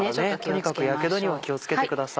とにかくやけどには気を付けてください。